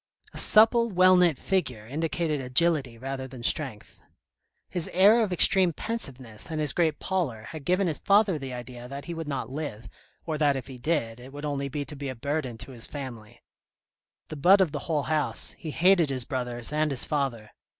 A supple well knit figure, indicated agility rather than strength. His air of extreme pensiveness and his great pallor had given his father the idea that he would not live, or that if he did, it would only be to be a burden to his family. The butt of the whole house, he hated his brothers and his father.